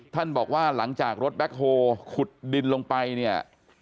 ท่านบอกว่าหลังจากรถแบ็คโฮลขุดดินลงไปเนี่ย